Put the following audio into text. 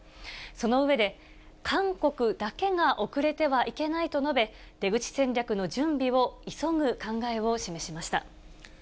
その上で、韓国だけが遅れてはいけないと述べ、出口戦略の準備を急ぐ考えを示しました。